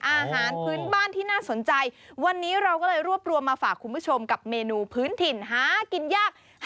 อาหารพื้นบ้านที่น่าสนใจวันนี้เราก็เลยรวบรวมมาฝากคุณผู้ชมกับเมนูพื้นถิ่นหากินยาก